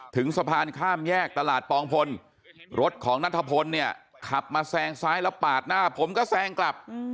ถึงสะพานข้ามแยกตลาดปองพลรถของนัทพลเนี่ยขับมาแซงซ้ายแล้วปาดหน้าผมก็แซงกลับ